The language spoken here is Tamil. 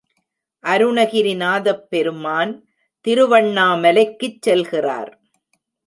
அருணகிரி நாதப் பெருமான் திருவண்ணாமலைக்குச் செல்கிறார்.